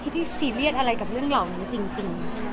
พี่ซีเรียสอะไรกับเรื่องเหล่านี้จริง